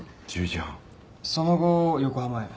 その後横浜へ？